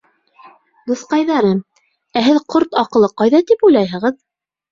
— Дуҫҡайҙарым, ә һеҙ ҡорт аҡылы ҡайҙа тип уйлайһығыҙ?